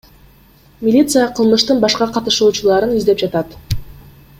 Милиция кылмыштын башка катышуучуларын издеп жатат.